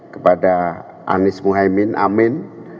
kepada anies muhaymin amin